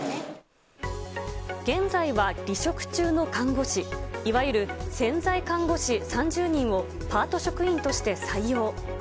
現在は離職中の看護師、いわゆる潜在看護師３０人をパート職員として採用。